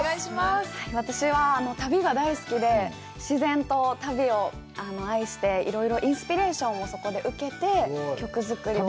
私は旅が大好きで、自然と旅を愛して、いろいろインスピレーションをそこで受けて、曲作りをして。